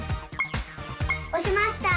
おしました！